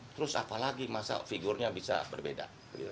terus apalagi masa figurnya bisa berbeda